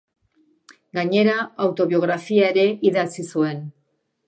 Gainera, autobiografia ere idatzi zuen.